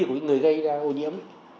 của người gây ra ô nhiễm